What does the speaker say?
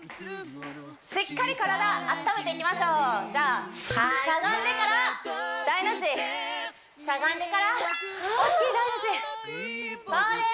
しっかり体温めていきましょうじゃあしゃがんでから大の字しゃがんでから大きい大の字そうです